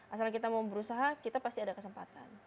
asal kita mau berusaha kita pasti ada kesempatan